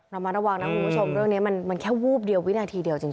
ระมัดระวังนะคุณผู้ชมเรื่องนี้มันแค่วูบเดียววินาทีเดียวจริง